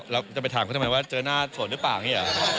แล้วจะไปถามเขาทำไมว่าเจอหน้าโสดหรือเปล่าอย่างนี้หรอ